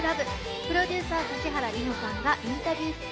プロデューサー・指原莉乃さんがインタビュー出演。